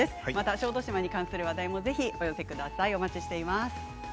小豆島に関する話題もお寄せください。